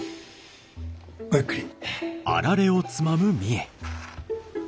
ごゆっくり。